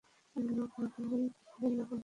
আরে লোক বাড়ালেই হবে না, পন্ডিতজি।